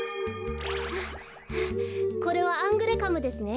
これはアングレカムですね。